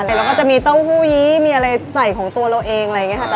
เราก็จะมีเต้าหู้ยี้มีอะไรใส่ของตัวเราเองอะไรอย่างนี้ค่ะ